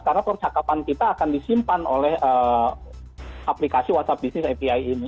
karena percakapan kita akan disimpan oleh aplikasi whatsapp bisnis api ini